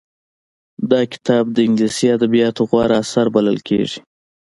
دا کتاب د انګلیسي ادبیاتو غوره اثر بلل کېږي